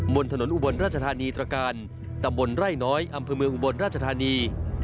บนถนนอุบลราชธานีตรการตำบลไร่น้อยอำเภอเมืองอุบลราชธานี